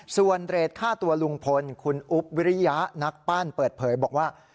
ส่วนเรทฆ่าตัวลุงพลคุณอุ๊บวิริยะนักปั้นเปิดเผยบอกว่า